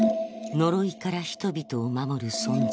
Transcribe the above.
呪いから人々を守る存在